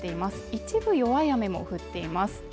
一部弱い雨も降っています。